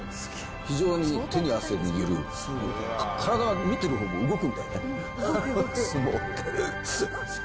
非常に手に汗握る、体が見てるほうも動くんだよね、相撲って。